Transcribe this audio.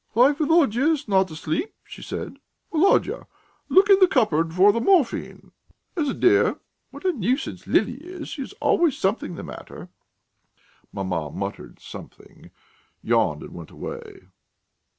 "Why, Volodya is not asleep," she said. "Volodya, look in the cupboard for the morphine, there's a dear! What a nuisance Lili is! She has always something the matter." Maman muttered something, yawned, and went away.